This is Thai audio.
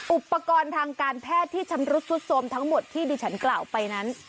อุปกรณ์ทางการแพทย์ที่ชำรุดสุดโทรมทั้งหมดที่ดิฉันกล่าวไปนั้น